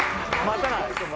待たない。